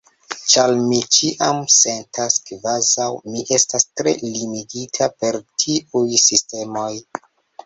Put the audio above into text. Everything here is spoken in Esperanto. ĉar mi ĉiam sentas kvazaŭ mi estas tre limigita per tiuj sistemoj